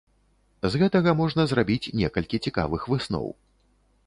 З гэтага можна зрабіць некалькі цікавых высноў.